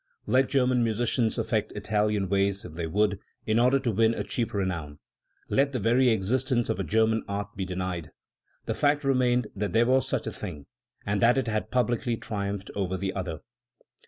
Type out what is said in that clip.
Let German musicians affect^ Italian ways if they would, in order to win a cheap renown*, let the very existence of a German art be denied; the fact remained that there was such a thing, and that it had publicly tri umphed over the other.